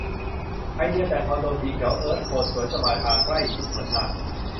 ไอเดียแต่งคอนโดสีเขียวเอิร์ธโทน สวย สบายตา ใกล้ชิดธรรมชาติ